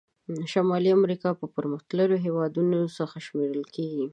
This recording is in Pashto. شمالي امریکا پرمختللو هېوادونو څخه شمیرل کیږي.